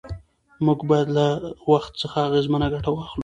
موږ باید له وخت څخه اغېزمنه ګټه واخلو